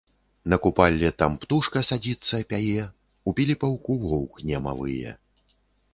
На купалле там птушка садзіцца, пяе, у піліпаўку воўк нема вые.